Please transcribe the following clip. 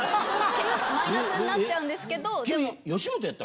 結果マイナスになっちゃうんですけど。